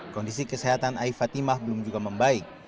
kondisi kesehatan ai fatimah belum juga membaik